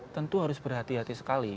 tentu harus berhati hati sekali